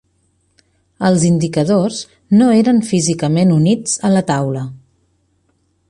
Els indicadors no eren físicament units a la taula.